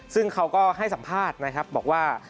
ซึ่งเขาก็ให้สัมภาษณ์นะครับบอกว่า